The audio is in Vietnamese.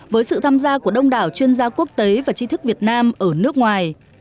với sự tham gia của đông đảo chuyên gia quốc tế và chi thức việt nam ở nước ngoài